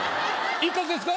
一括ですか？